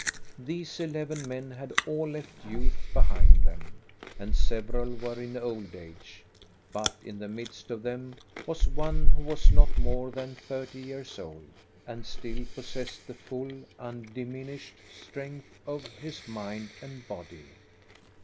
These eleven men had all left youth behind them, and several were in old age; but in the midst of them was one who was not more than thirty years old, and still possessed the full, undiminished strength of his mind and body.